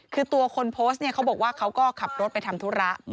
คือตัวคนโพสต์เนี่ยเขาบอกว่าเขาก็ขับรถไปทำธุระ